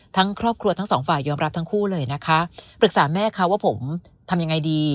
ครอบครัวทั้งสองฝ่ายยอมรับทั้งคู่เลยนะคะปรึกษาแม่เขาว่าผมทำยังไงดี